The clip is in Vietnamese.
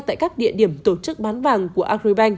tại các địa điểm tổ chức bán vàng của agribank